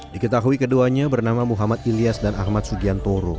diketahui keduanya bernama muhammad ilyas dan ahmad sugiantoro